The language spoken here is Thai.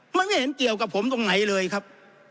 มันไม่เห็นเกี่ยวกับผมตรงไหนเลยครับ